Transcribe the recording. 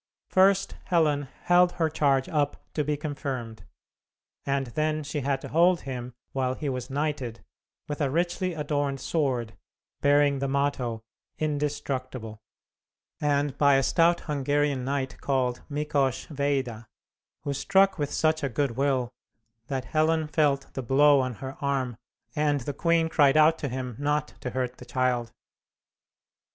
First Helen held her charge up to be confirmed, and then she had to hold him while he was knighted, with a richly adorned sword bearing the motto "Indestructible," and by a stout Hungarian knight called Mikosch Weida, who struck with such a good will that Helen felt the blow on her arm, and the queen cried out to him not to hurt the child.